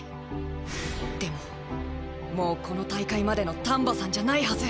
でももうこの大会までの丹波さんじゃないはず。